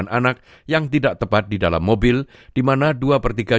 dengan sistem penyelamatan multi poin